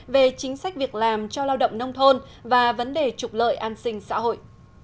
về chính sách việc làm cho lao động nông thôn và vấn đề trục lợi an sinh xã hội